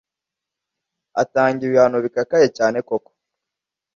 atanga ibihano bikakaye cyane koko